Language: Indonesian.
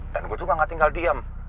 dan gue juga gak tinggal diem